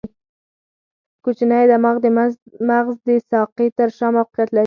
کوچنی دماغ د مغز د ساقې تر شا موقعیت لري.